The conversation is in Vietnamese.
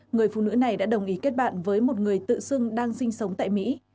người phụ nữ này đã đồng ý kết bạn với một người tự xưng đang sinh sống tại mỹ